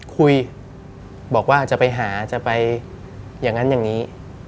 คุยบอกว่าจะไปหาจะไปอย่างนั้นอย่างนี้